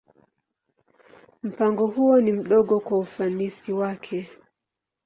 Mpango huo ni mdogo kwa ufanisi wake.